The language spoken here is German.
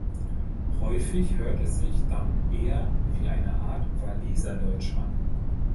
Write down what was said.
Häufig hört es sich dann eher wie eine Art Walliserdeutsch an.